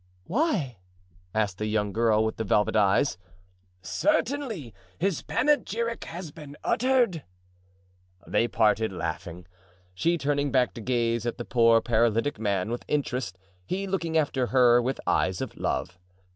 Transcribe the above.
"Why?" asked the young girl with the velvet eyes. "Certainly; his panegyric has been uttered." They parted, laughing, she turning back to gaze at the poor paralytic man with interest, he looking after her with eyes of love.